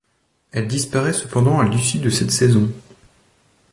Elle disparait cependant à l'issue de cette saison.